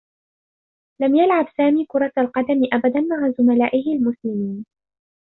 لم يلعب سامي كرة القدم أبدا مع زملائه المسلمين.